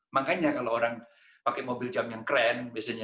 makanya kalau orang pakai mobil jam yang keren biasanya